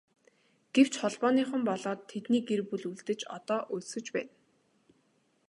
Гэвч Холбооныхон болоод тэдний гэр бүл үлдэж одоо өлсөж байна.